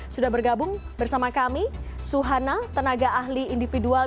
sudah bergabung bersama kami suhana tenaga ahli individual